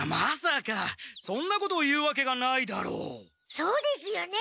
そうですよね。